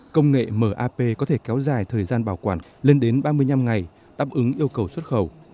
công nghệ map có thể kéo dài thời gian bảo quản lên đến ba mươi năm ngày đáp ứng yêu cầu xuất khẩu